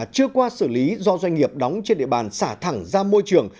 chưa qua xử lý do doanh nghiệp đóng trên địa bàn xả thẳng ra môi trường